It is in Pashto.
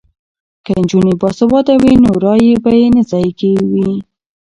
که نجونې باسواده وي نو رایې به یې ضایع نه وي.